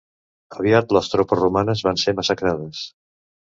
Aviat les tropes romanes van ser massacrades.